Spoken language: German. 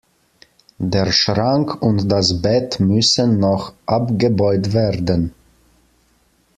Der Schrank und das Bett müssen noch abgebaut werden.